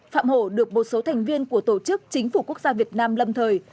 phạm hổ được một số thành viên của tổ chức chính phủ quốc gia việt nam lâm thời